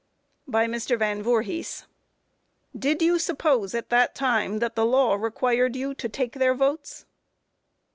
By MR. VAN VOORHIS: Q. Did you suppose at that time that the law required you to take their votes?